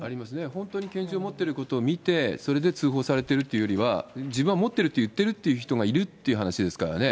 本当に拳銃を持っていることを見て、それで通報されてるというよりは、自分は持ってると言ってるっていう人がいるっていう話ですからね。